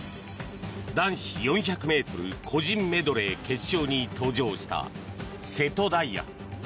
男子４００ｍ個人メドレー決勝に登場した瀬戸大也。